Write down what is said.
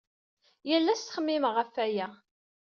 Yal ass ttxemmimeɣ ɣef waya.